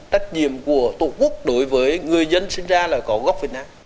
trách nhiệm của tổ quốc đối với người dân sinh ra là có gốc việt nam